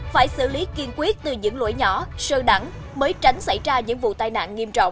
phải xử lý kiên quyết từ những lỗi nhỏ sơ đẳng mới tránh xảy ra những vụ tai nạn nghiêm trọng